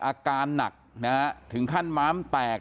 อาการหนักนะฮะถึงขั้นม้ามแตก